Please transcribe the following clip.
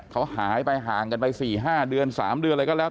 เขาหายไปห่างกันไป๔๕เดือน๓เดือนอะไรก็แล้ว